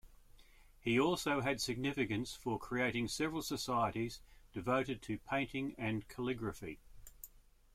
He also had significance for creating several societies devoted to painting and calligraphy.